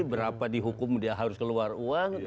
berapa dihukum dia harus keluar uang